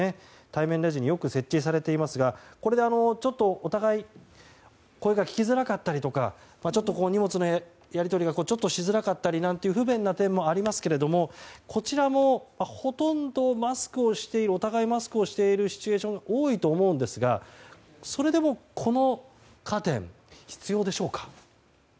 対面レジによく設置されていますがお互い声が聞きづらかったりとかちょっと荷物のやり取りがしづらかったりという不便な点もありますけどこちらも、ほとんどお互いマスクをしているシチュエーションが多いと思うんですがそれでも、このカーテンは必要でしょうか？